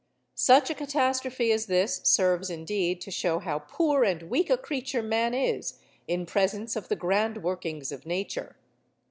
Such a catastrophe as this serves indeed to show how poor and weak a creature man is in presence of the grand workings of Nature.